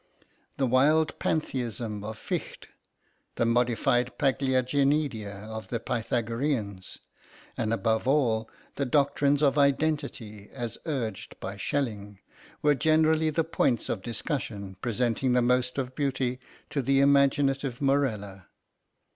The wild Pantheism of Fichte; the modified Paliggenedia of the Pythagoreans; and, above all, the doctrines of Identity as urged by Schelling, were generally the points of discussion presenting the most of beauty to the imaginative Morella.